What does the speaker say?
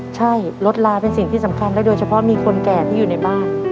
ใช่รถลาเป็นสิ่งที่สำคัญและโดยเฉพาะมีคนแก่ที่อยู่ในบ้าน